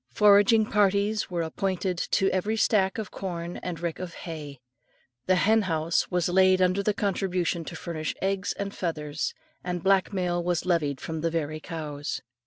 Foraging parties were appointed to every stack of corn and rick of hay. The henhouse was laid under contribution to furnish eggs and feathers, and black mail was levied from the very cows.